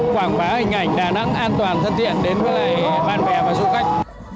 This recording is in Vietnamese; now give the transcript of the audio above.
quảng bá hình ảnh đà nẵng an toàn thân thiện đến với bạn bè và du khách